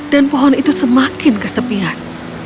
dan pohon itu semakin kesepian